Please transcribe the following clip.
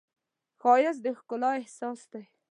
ښایست د احساس ښکلا ده